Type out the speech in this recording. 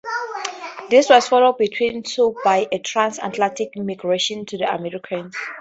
This was followed between to by a trans-Atlantic migration to the Americas.